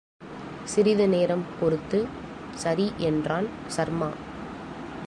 சிறிதுநேரம் பொறுத்து, சரி என்றான் சர்மா.